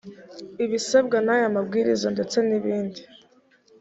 ibisabwa naya mabwiriza ndetse n’ibindi